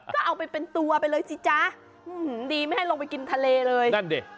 ก็เอาไปเป็นตัวไปเลยสิจ๊ะดีไม่ให้ลงไปกินทะเลเลยนั่นดิ